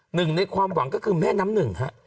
หนึ่งในความหวังก็คือแม่น้ำหนึ่งฮะ